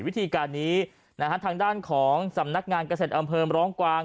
วิธีการนี้นะฮะทางด้านของสำนักงานเกษตรอำเภอร้องกวาง